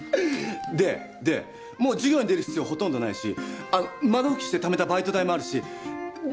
ででもう授業に出る必要ほとんどないし窓ふきしてためたバイト代もあるしだから。